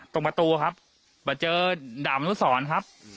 ตรงประตูครับเจอด่ามนุษย์ศรครับ